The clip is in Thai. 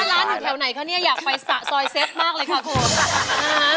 คุณคะร้านถึงแถวไหนคะเนี่ยอยากไปสระซอยเซ็ตมากเลยครับคุณค่ะ